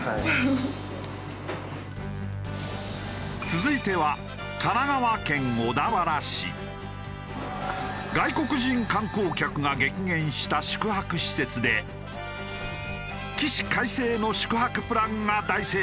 続いては外国人観光客が激減した宿泊施設で起死回生の宿泊プランが大成功。